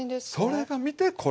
それが見てこれ。